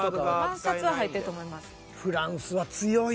万札は入ってると思います。